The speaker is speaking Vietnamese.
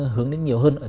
hướng đến nhiều hơn